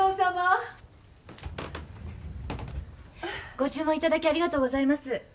ご注文いただきありがとうございます。